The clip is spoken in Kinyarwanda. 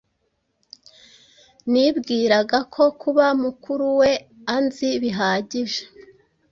Nibwiraga ko kuba mukuru we anzi bihagije